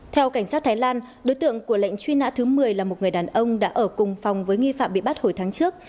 theo cảnh sát thái lan đối tượng của lệnh truy nã thứ một mươi là một người đàn ông đã ở cùng phòng với nghi phạm bị bắt hồi tháng trước